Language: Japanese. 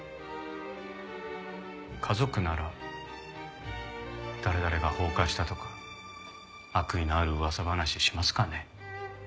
家族なら「誰々が放火した」とか悪意のある噂話しますかね？